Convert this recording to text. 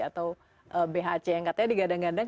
atau bhc yang katanya digadang gadang